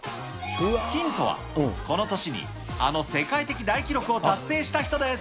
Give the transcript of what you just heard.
ヒントはこの年にあの世界的大記録を達成した人です。